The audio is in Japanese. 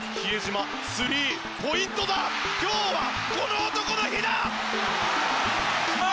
今日は、この男の日だ！